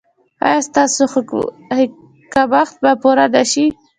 ایا ستاسو کمښت به پوره نه شي؟